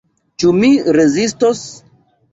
Ĉu mi rezistos?